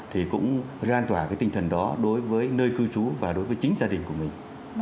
thì cũng lan tỏa cái tinh thần đó đối với nơi cư trú và đối với chính gia đình của mình